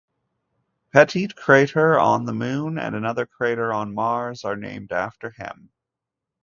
Pettit crater on the Moon and another Crater on Mars are named after him.